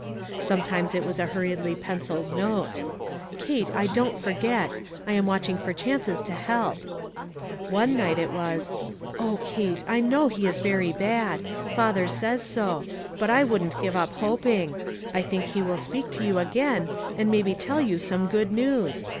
Sometimes it was a hurriedly penciled note — "Kate, I don't forget. I am watching for chances to help." One night it was — "O Kate, I know he is very bad. Father says so. But I wouldn't give up hoping. I think he will speak to you again, and maybe tell you some good news.